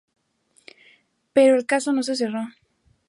Pero el caso no se cerró.